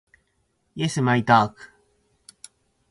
イエスマイダーク